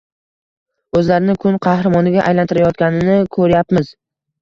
O‘zlarini kun qahramoniga aylantirayotganini ko‘ryapmiz.